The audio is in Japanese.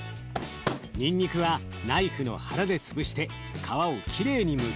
にんにくはナイフの腹で潰して皮をきれいにむきます。